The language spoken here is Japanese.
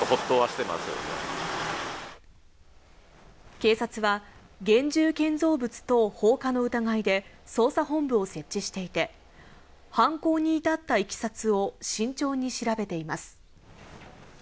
警察は現住建造物等放火の疑いで捜査本部を設置していて、犯行に至った経緯を慎重に調べています。